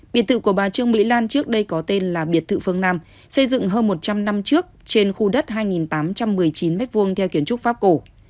biệt thự của bà trương mỹ lan trước đây có tên là biệt thự phương nam xây dựng hơn một trăm linh năm trước trên khu đất hai tám trăm một mươi chín m hai theo kiến trúc pháp cổ